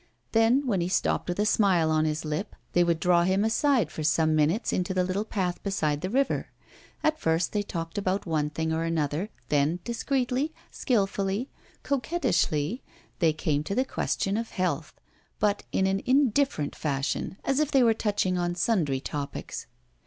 Then, when he stopped with a smile on his lip, they would draw him aside for some minutes into the little path beside the river. At first, they talked about one thing or another; then discreetly, skillfully, coquettishly, they came to the question of health, but in an indifferent fashion as if they were touching on sundry topics.